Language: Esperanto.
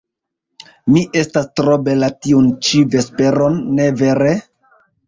Mi estas tro bela tiun ĉi vesperon, ne vere?